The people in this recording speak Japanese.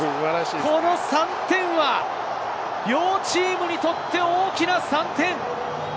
この３点は両チームにとって大きな３点。